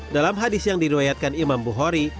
dalam hadis yang diriwayatkan imam bukhori